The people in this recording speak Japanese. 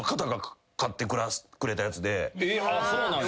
あっそうなんや。